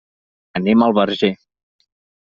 Anem al Verger.